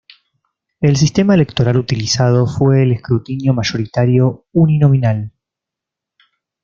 El sistema electoral utilizado fue el escrutinio mayoritario uninominal.